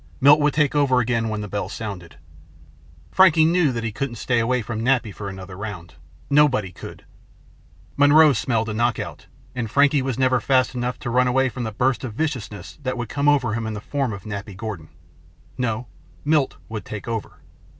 Milt would take over again when the bell sounded. Frankie knew that he couldn't stay away from Nappy for another round. Nobody could. Monroe smelled a knockout and Frankie was never fast enough to run away from the burst of viciousness that would come at him in the form of Nappy Gordon. No, Milt would take over.